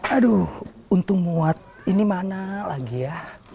aduh untung muat ini mana lagi ya